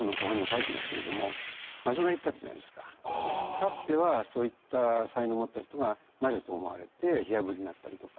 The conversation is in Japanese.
かつてはそういった才能を持った人が魔女と思われて火あぶりにあったりとか。